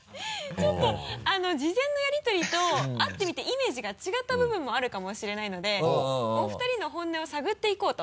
ちょっと事前のやりとりと会ってみてイメージが違った部分もあるかもしれないのでお二人の本音を探っていこうと。